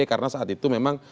karena saat itu memang